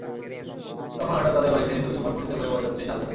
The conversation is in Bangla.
তখন হঠাৎ তাদের বাড়িতে দুটি ভটভটিতে করে বরযাত্রী এসে হাজির হয়।